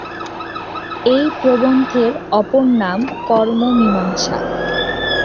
এই গ্রন্থের অপর নাম "কর্ম মীমাংসা"।